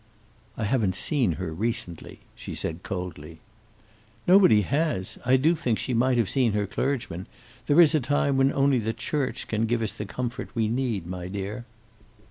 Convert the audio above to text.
"I haven't seen her recently," she said coldly. "Nobody has. I do think she might have seen her clergyman. There is a time when only the church can give us the comfort we need, my dear."